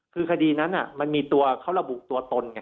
คือคดีนั้นมันมีตัวเขาระบุตัวตนไง